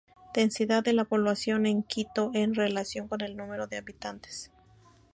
Densidad de la Población en Quito en relación con el número de habitantes.